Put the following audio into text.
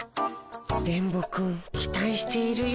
電ボくん期待しているよ。